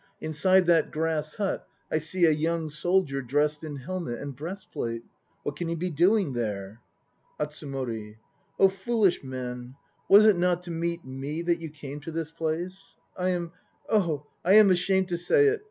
Inside that grass hut I see a young soldier dressed in helmet and breastplate. What can he be doing there? ATSUMORI. Oh foolish men, was it not to meet me that you came to this place? I am oh! I am ashamed to say it.